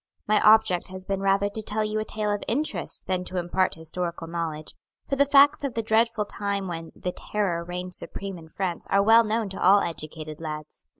My object has been rather to tell you a tale of interest than to impart historical knowledge, for the facts of the dreadful time when "the terror" reigned supreme in France are well known to all educated lads.